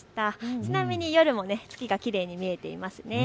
ちなみに夜も月がきれいに見えていますね。